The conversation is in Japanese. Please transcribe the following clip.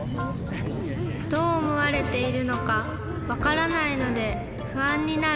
どうおもわれているのかわからないのでふあんになる。